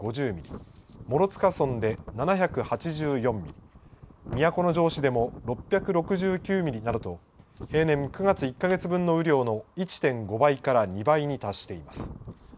諸塚村で７８４ミリ、都城市でも６６９ミリなどと平年９月、１か月分の雨量の１．５倍から２倍に達しています。